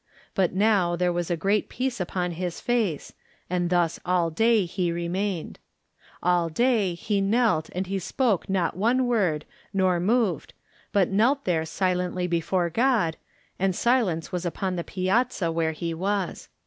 But now there was a great peace upon his face, and thus all day he remained. All day he knelt and he spoke not one word nor moved, but knelt there si lently before God, and silence was upon the piazza where he was.